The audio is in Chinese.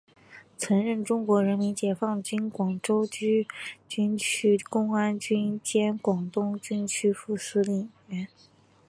曾任中国人民解放军广州军区公安军兼广东军区副司令员。